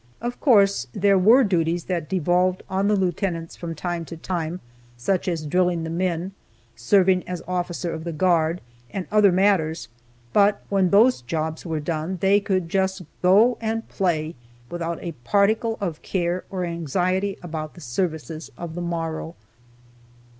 Of course there were duties that devolved on the lieutenants from time to time, such as drilling the men, serving as officer of the guard, and other matters, but when those jobs were done, they could just "go and play," without a particle of care or anxiety about the services of the morrow.